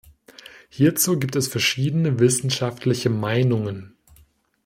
Hierzu gibt es verschiedene wissenschaftliche Meinungen.